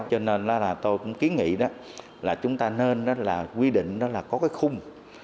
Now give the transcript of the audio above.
cho nên là tôi cũng kiến nghị là chúng ta nên là quy định là có cái khung